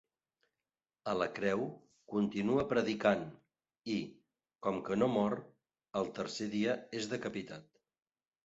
A la creu, continua predicant i, com que no mor, al tercer dia és decapitat.